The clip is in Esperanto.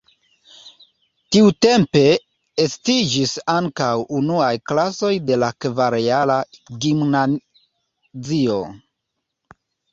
Tiutempe estiĝis ankaŭ unuaj klasoj de la kvarjara gimnazio.